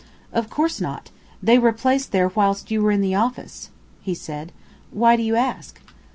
"Of course not. They were placed there whilst you were in the office," he said. "Why do you ask?"